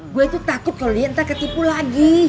gue tuh takut kalau dia ntar ketipu lagi